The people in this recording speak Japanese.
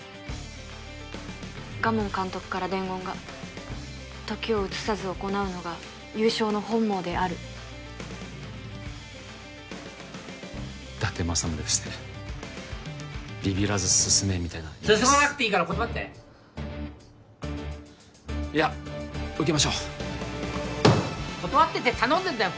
賀門監督から伝言が時を移さずに行うのが勇将の本望である伊達政宗ですねビビらず進めみたいな意味です進まなくていいから断っていや受けましょう断ってって頼んでんだよ